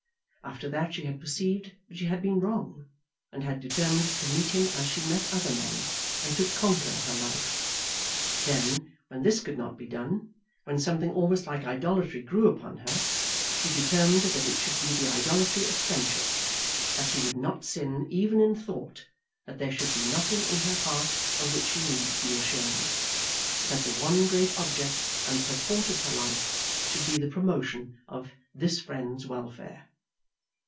After that she had perceived that she had been wrong, and had determined to meet him as she met other men, and to conquer her love. Then, when this could not be done, when something almost like idolatry grew upon her, she determined that it should be the idolatry of friendship, that she would not sin even in thought, that there should be nothing in her heart of which she need be ashamed; but that the one great object and purport of her life should be the promotion of this friend's welfare.